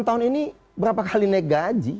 lima tahun ini berapa kali naik gaji